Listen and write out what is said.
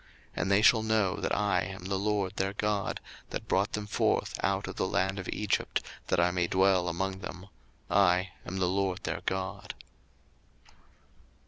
02:029:046 And they shall know that I am the LORD their God, that brought them forth out of the land of Egypt, that I may dwell among them: I am the LORD their God.